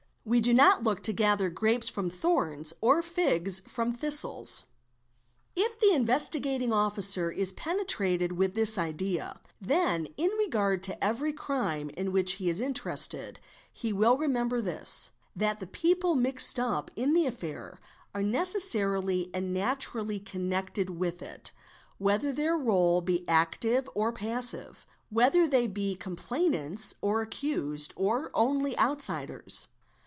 We do now 7 look to gather grapes from thorns or figs from thistles. If the Investigating Officer is penetrated with this idea, then, in tacardll to every crime in which he is interested, he will remember this; that the people mixed up in the affair are necessarily and naturally connected with it, whether their role be active or passive, whether they be com plainants or accused or only outsiders.